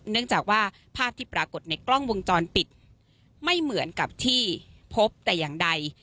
เนื่องจากว่าภาพที่ปรากฏในกล้องวงจรปิดไม่เหมือนกับที่พบแต่อย่างใด